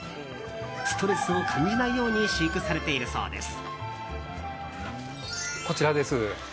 ストレスを感じないように飼育されているそうです。